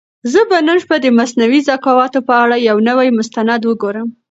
زه به نن شپه د مصنوعي ذکاوت په اړه یو نوی مستند وګورم.